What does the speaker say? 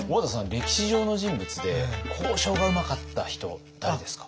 歴史上の人物で交渉がうまかった人誰ですか？